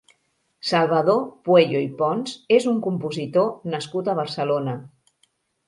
Salvador Pueyo i Pons és un compositor nascut a Barcelona.